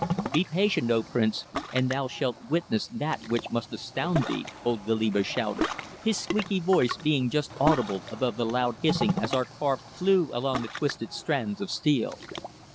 "Be patient, O Prince, and thou shalt witness that which must astound thee," old Goliba shouted, his squeaky voice being just audible above the loud hissing as our car flew along the twisted strands of steel.